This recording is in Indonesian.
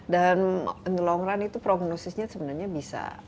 dan nilong ran itu prognosisnya sebenarnya bisa